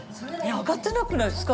上がってなくないですか？